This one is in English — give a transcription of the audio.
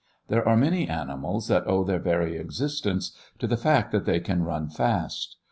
There are many animals that owe their very existence to the fact that they can run fast.